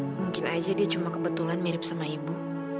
mungkin aja dia cuma kebetulan mirip sama ibu